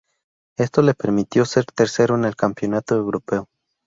Esto le permitió ser tercero en el Campeonato Europeo.